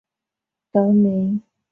以区内有高桥镇得名。